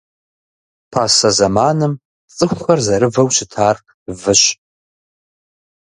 Пасэ зэманым цӏыхухэр зэрывэу щытар выщ.